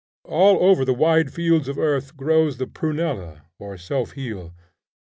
All over the wide fields of earth grows the prunella or self heal.